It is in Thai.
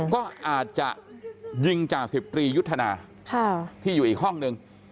ก็อาจจะยิงจ่าสิบตรียุทธนาที่อยู่อีกห้องนึง